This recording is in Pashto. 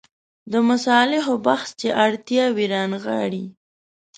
د مصالحو بحث چې اړتیاوې رانغاړي.